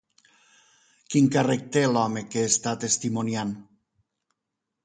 Quin càrrec té l'home que està testimoniant?